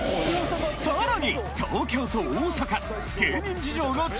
さらに！